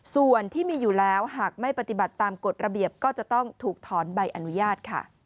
ส่วนที่มีอยู่แล้วหากไม่ปฏิบัติตามกฎระเบียบก็จะต้องถูกถอนใบอนุญาตค่ะ